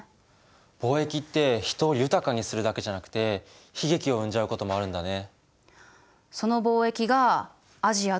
貿易って人を豊かにするだけじゃなくて悲劇を生んじゃうこともあるんだね。